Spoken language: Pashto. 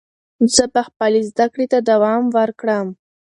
زه به خپلې زده کړې ته دوام ورکړم.